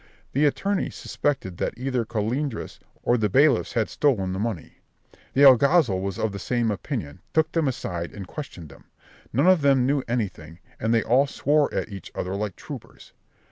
The attorney suspected that either Colendres or the bailiffs had stolen the money; the alguazil was of the same opinion, took them aside, and questioned them. None of them knew anything, and they all swore at each other like troopers.